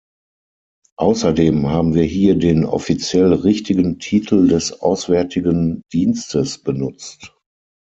Außerdem haben wir hier den offiziell richtigen Titel des Auswärtigen Dienstes benutzt.